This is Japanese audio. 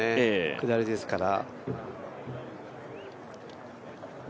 下りですから。